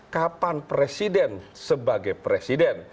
kapan presiden sebagai presiden